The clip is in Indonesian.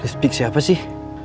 listrik siapa sih